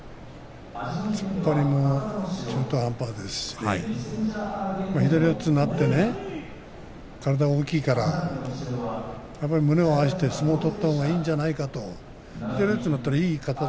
突っ張りも中途半端ですし左四つになって体が大きいからやっぱり胸を合わせて相撲を取ったほうがいいんじゃないかと。